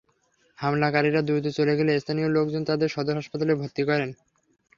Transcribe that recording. হামলাকারীরা দ্রুত চলে গেলে স্থানীয় লোকজন তাঁদের সদর হাসপাতালে ভর্তি করেন।